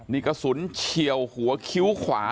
นี่กระสุนเฉียวหัวคิ้วขวา